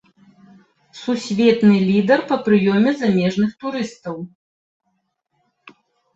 Сусветны лідар па прыёме замежных турыстаў.